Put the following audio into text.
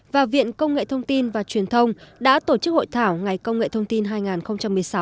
và viện công nghệ thông tin và truyền thông đã tổ chức hội thảo ngày công nghệ thông tin hai nghìn một mươi sáu